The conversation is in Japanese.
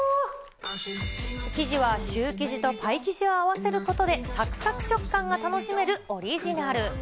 生地はシュー生地とパイ生地を合わせることで、さくさく食感が楽しめるオリジナル。